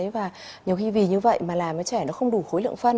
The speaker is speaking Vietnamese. và nhiều khi vì như vậy mà làm cho trẻ nó không đủ khối lượng phân